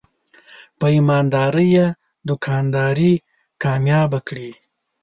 په ایماندارۍ یې دوکانداري کامیابه کړې.